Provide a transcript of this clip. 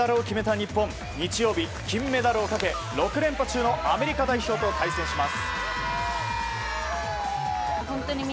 日曜日、金メダルをかけ６連覇中のアメリカ代表と対戦します。